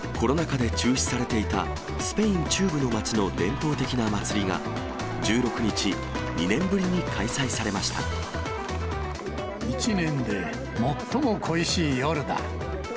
コロナ禍で中止されていた、スペイン中部の街の伝統的な祭りが、１６日、２年ぶりに開催され１年で最も恋しい夜だ。